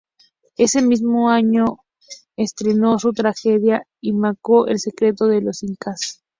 Ese mismo año estrenó su tragedia "Hima-Sumac ó El secreto de los Incas.